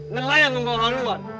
nelayan membawa luar